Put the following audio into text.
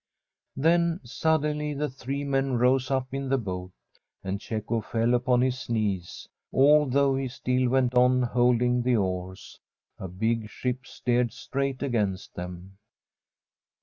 Then suddertly the three men rose up in the boat ; and Cecco fell upon his knees, although he still went on holding the oars. A big ship steered straight against them.